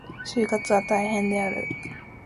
就活は大変である。